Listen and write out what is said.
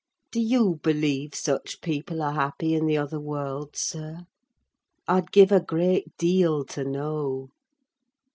Do you believe such people are happy in the other world, sir? I'd give a great deal to know.